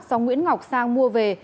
do nguyễn ngọc sang mua về